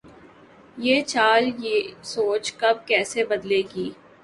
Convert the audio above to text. یہ چال، یہ سوچ کب‘ کیسے بدلے گی؟